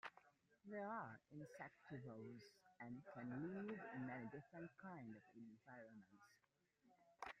They are insectivorous and can live in many different kinds of environments.